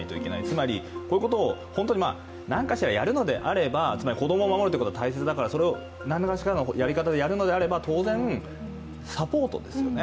つまりこういうことを本当に何かしらやるのであれば、子供を守るということは大切だから、それを何がしかのやり方でやるのであれば当然、サポートですよね